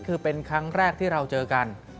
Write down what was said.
คือเป็นครั้งแรกที่เราเจอกัน